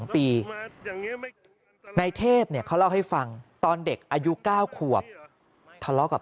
ในเทพเนี่ยเขาเล่าให้ฟังตอนเด็กอายุ๙ขวบทะเลาะกับ